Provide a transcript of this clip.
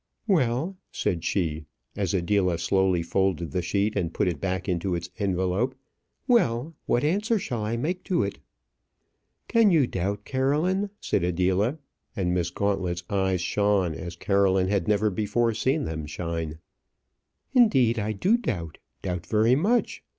"Well," said she, as Adela slowly folded the sheet and put it back into its envelope; "well; what answer shall I make to it?" "Can you doubt, Caroline?" said Adela, and Miss Gauntlet's eyes shone as Caroline had never before seen them shine. "Indeed, I do doubt; doubt very much.